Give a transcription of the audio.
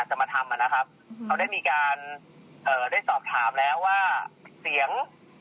จะมาทำอ่ะนะครับเขาได้มีการเอ่อได้สอบถามแล้วว่าเสียง